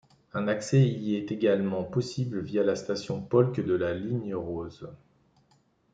Un accès y est également possible via la station Polk de la ligne rose.